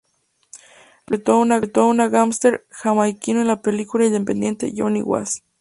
Luego interpretó a un gángster jamaiquino en la película independiente "Johnny Was".